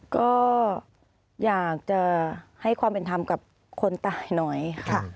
ก็อยากจะให้ความเป็นธรรมกับคนตายหน่อยค่ะ